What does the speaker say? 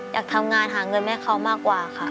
อยากทำงานหาเงินให้เขามากกว่าค่ะ